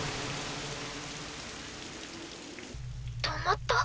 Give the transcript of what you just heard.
止まった？